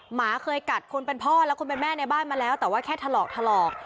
หมาเคยกัดคนเป็นพ่อและคนเป็นแม่ในบ้านมาแล้วแต่ว่าแค่ถลอกถลอก